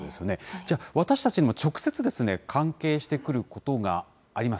じゃあ、私たちも直接、関係してくることがあります。